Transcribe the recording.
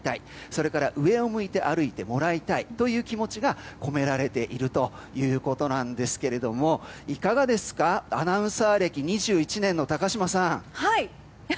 それから上を向いて歩いてもらいたいという気持ちが込められているということなんですけどいかがですか、アナウンサー歴２１年の高島さん。